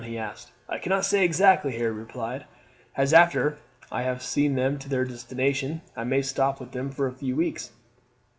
he asked. "I cannot say exactly," Harry replied; "as after I have seen them to their destination I may stop with them for a few weeks."